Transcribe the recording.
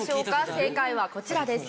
正解はこちらです。